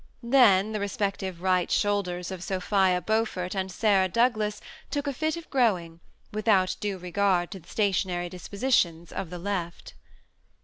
Then the respective right shoulders of Sophia Beaufort and Sarah Douglas took a fit of growing, without due regard to the stationary dispositions of the left.